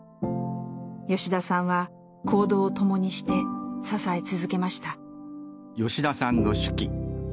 吉田さんは行動を共にして支え続けました。